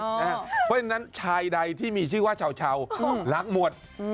เพราะฉะนั้นชายใดที่มีชื่อว่าชาวรักหมด